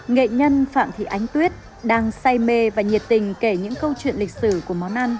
nghệ nhân phạm thị ánh tuyết đang say mê và nhiệt tình kể những câu chuyện lịch sử của món ăn